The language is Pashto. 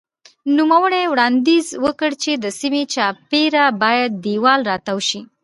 نوموړي وړاندیز وکړ چې د سیمې چاپېره باید دېوال راتاو شي.